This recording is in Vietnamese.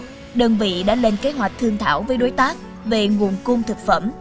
trong đó đơn vị đã lên kế hoạch thương thảo với đối tác về nguồn cung thực phẩm